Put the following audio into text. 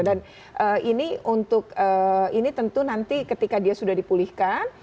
dan ini untuk ini tentu nanti ketika dia sudah dipulihkan